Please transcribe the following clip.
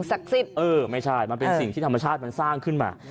เออไม่ใช่มันเป็นสิ่งที่ธรรมชาติมันสร้างขึ้นมา